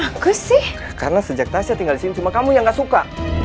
aku sih karena sejak tahun saya tinggal di sini cuma kamu yang gak suka